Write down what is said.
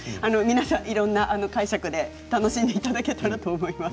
皆さん、いろんな解釈で楽しんでいただけたらと思います。